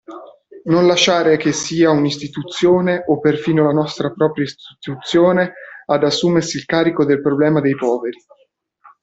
Non lasciare che sia un'istituzione, o perfino la nostra propria istituzione, ad assumersi il carico del problema dei poveri.